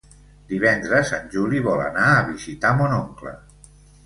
Divendres en Juli vol anar a visitar mon oncle.